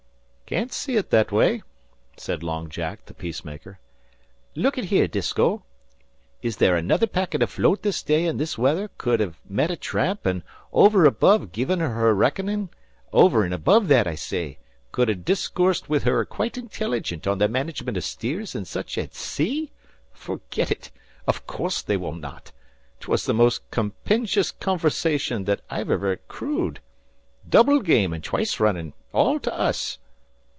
"Can't see ut that way," said Long Jack, the peacemaker "Look at here, Disko! Is there another packet afloat this day in this weather cud ha' met a tramp an' over an' above givin' her her reckonin', over an' above that, I say, cud ha' discoorsed wid her quite intelligent on the management av steers an' such at sea? Forgit ut! Av coorse they will not. 'Twas the most compenjus conversation that iver accrued. Double game an' twice runnin' all to us."